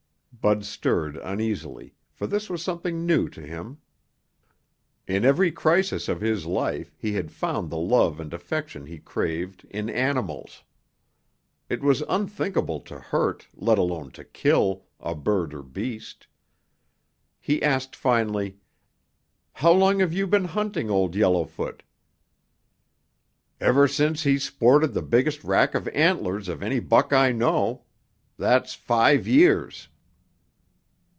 Bud stirred uneasily, for this was something new to him. In every crisis of his life he had found the love and affection he craved in animals. It was unthinkable to hurt, let alone to kill, a bird or beast. He asked finally, "How long have you been hunting Old Yellowfoot?" "Ever since he's sported the biggest rack of antlers of any buck I know. That's five years."